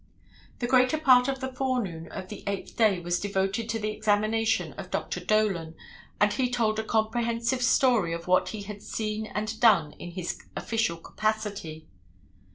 The greater part of the forenoon of the eighth day was devoted to the examination of Dr. Dolan and he told a comprehensive story of what he had seen and done in his official capacity.